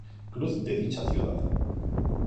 Cruz de dicha ciudad.